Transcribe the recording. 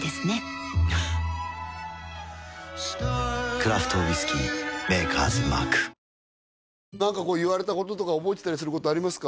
クラフトウイスキー「Ｍａｋｅｒ’ｓＭａｒｋ」何か言われたこととか覚えてたりすることありますか？